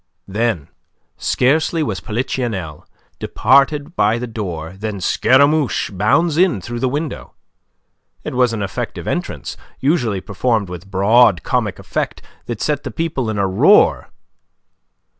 Then, scarcely has Polichinelle departed by the door than Scaramouche bounds in through the window. It was an effective entrance, usually performed with a broad comic effect that set the people in a roar.